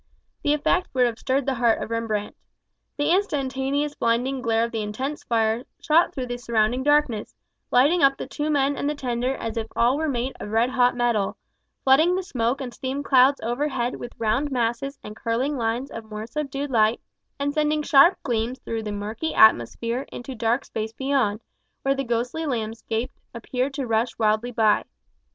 The effect would have stirred the heart of Rembrandt. The instantaneous blinding glare of the intense fire shot through the surrounding darkness, lighting up the two men and the tender as if all were made of red hot metal; flooding the smoke and steam clouds overhead with round masses and curling lines of more subdued light, and sending sharp gleams through the murky atmosphere into dark space beyond, where the ghostly landscape appeared to rush wildly by.